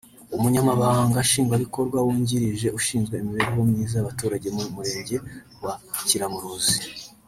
Umunyamabanga nshingwabikorwa wungirije ushinzwe imibereho myiza y’abaturage mu Murenge wa Kiramuruzi